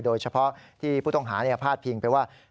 โดยเฉพาะที่ผู้ต้องหาพาดพิงไปว่า